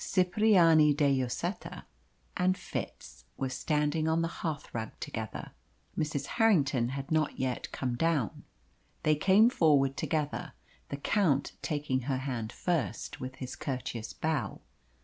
Cipriani de Lloseta and Fitz were standing on the hearthrug together. Mrs. Harrington had not yet come down. They came forward together, the Count taking her hand first, with his courteous bow.